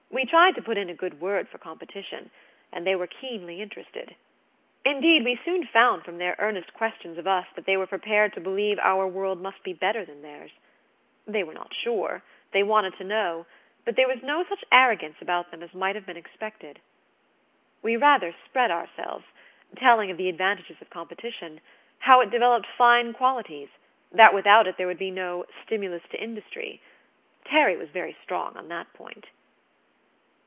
We tried to put in a good word for competition, and they were keenly interested. Indeed, we soon found from their earnest questions of us that they were prepared to believe our world must be better than theirs. They were not sure; they wanted to know; but there was no such arrogance about them as might have been expected. We rather spread ourselves, telling of the advantages of competition: how it developed fine qualities; that without it there would be "no stimulus to industry." Terry was very strong on that point.